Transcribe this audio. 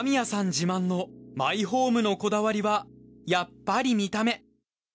自慢のマイホームのこだわりはやっぱり見た目。